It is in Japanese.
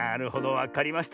わかりました。